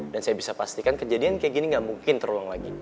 dan saya bisa pastikan kejadian kayak gini gak mungkin terulang lagi